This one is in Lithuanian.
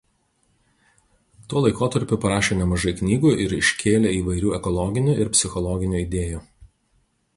Tuo laikotarpiu parašė nemažai knygų ir iškėlė įvairių ekologinių ir psichologinių idėjų.